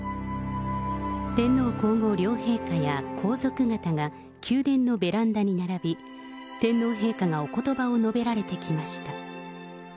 天皇皇后両陛下や皇族方が、宮殿のベランダに並び、天皇陛下がおことばを述べられてきました。